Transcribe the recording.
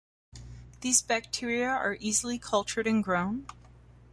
These bacteria are easily cultured and grown.